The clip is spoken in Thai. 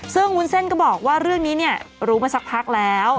ซึ่งวุ้นเส้นก็บอกว่าเรื่องนี้เนี่ยรู้มาสักพักแล้ว